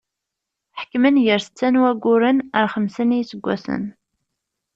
Ḥekmen gar setta n wagguren ar xemsa n yiseggasen.